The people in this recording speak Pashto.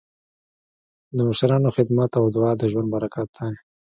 د مشرانو خدمت او دعا د ژوند برکت دی.